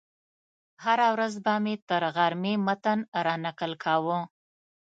هره ورځ به مې تر غرمې متن رانقل کاوه.